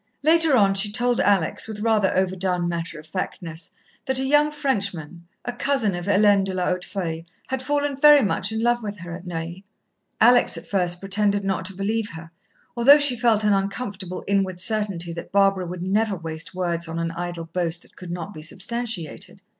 Later on, she told Alex, with rather overdone matter of factness, that a young Frenchman, a cousin of Hélène de la Hautefeuille, had fallen very much in love with her at Neuilly. Alex at first pretended not to believe her, although she felt an uncomfortable inward certainty that Barbara would never waste words on an idle boast that could not be substantiated.